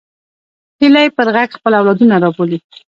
هیلۍ پر غږ خپل اولادونه رابولي